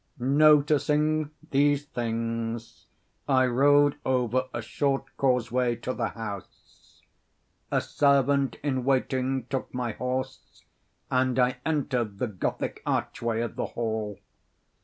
Noticing these things, I rode over a short causeway to the house. A servant in waiting took my horse, and I entered the Gothic archway of the hall.